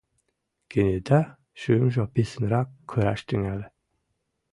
Кенета шӱмжӧ писынрак кыраш тӱҥале.